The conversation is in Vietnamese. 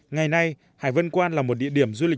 ngày nay hải vân quan là một địa điểm du lịch nổi tiếng